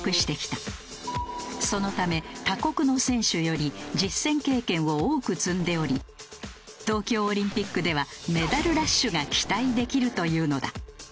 そのため他国の選手より実戦経験を多く積んでおり東京オリンピックではメダルラッシュが期待できるというのだ。